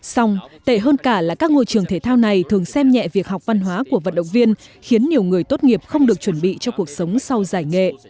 xong tệ hơn cả là các ngôi trường thể thao này thường xem nhẹ việc học văn hóa của vận động viên khiến nhiều người tốt nghiệp không được chuẩn bị cho cuộc sống sau giải nghệ